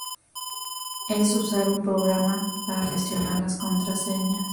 es usar un programa para gestionar las contraseñas